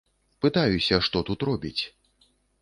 Пытаюся, што тут робіць.